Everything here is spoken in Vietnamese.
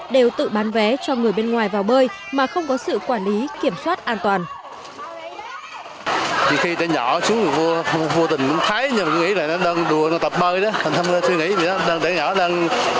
đều tự bán vé cho người bên ngoài vào bơi mà không có sự quản lý kiểm soát an toàn